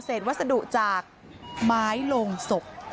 เสร็จวัสดุจากไม้ลงศพ